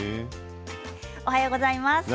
おはようございます。